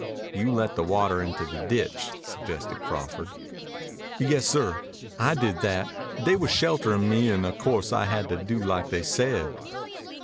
"You let the water into the ditch," suggested Crawford. "Yessir. I did that. They was shelterin' me and o' course I had to do like they said."